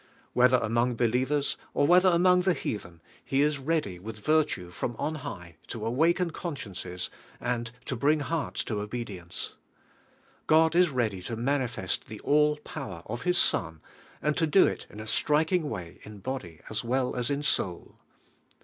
Whether among believers, or whether among the heathen, He is ready with virtue from on high to awaken con sciences, and to bring hearts to obedience, God is ready to manifest the all power of His Son, and to do it in a striking way in body as well as in soul.